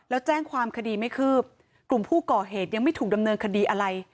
แล้วแจ้งความคดีไม่คืบกลุ่มผู้ก่อเหตุยังไม่ถูกดำเนินคดีอะไร